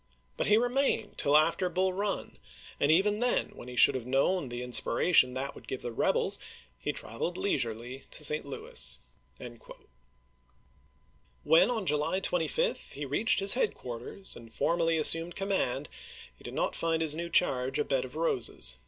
siair, But he remained till after BuU Run; and even then, ^^fjj^tof' when he should have known the inspiration that would ^^i^^^^^^ give the rebels, he traveled leisurely to St. Louis. conduct of When, on July 25, he reached his headquarters, isei. and formally assumed command, he did not find his new charge a bed of roses.